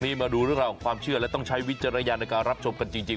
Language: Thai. นี่มาดูเรื่องราวของความเชื่อและต้องใช้วิจารณญาณในการรับชมกันจริง